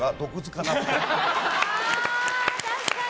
確かに。